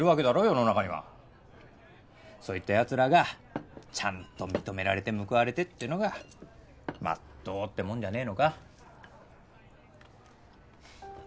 世の中にはそういったヤツらがちゃんと認められて報われてってのがまっとうってもんじゃねえのか？